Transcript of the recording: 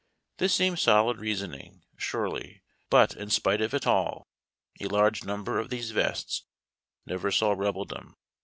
This seemed solid reasoning, surely ; but, in spite of it all, a large number of these vests never saw Rebeldom.